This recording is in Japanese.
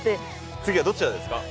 次はどちらですか？